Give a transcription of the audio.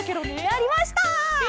なりました！